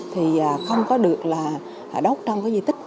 thì không có được là đốt trong cái di tích